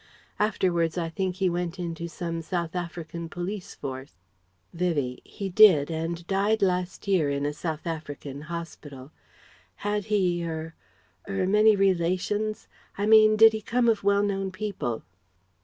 Afterwards I think he went into some South African police force..." Vivie: "He did, and died last year in a South African hospital. Had he er er many relations, I mean did he come of well known people?"